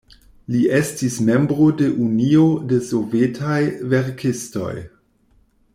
Li estis membro de Unio de Sovetaj Verkistoj.